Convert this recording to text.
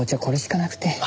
これしかなくて。